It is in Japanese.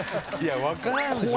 分からんでしょ！